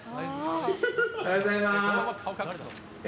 おはようございます。